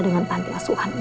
dengan tante asuhan ini